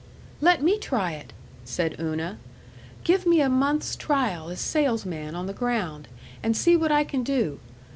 "Let me try it!" said Una. "Give me a month's trial as salesman on the ground, and see what I can do.